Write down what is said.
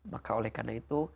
maka oleh karena itu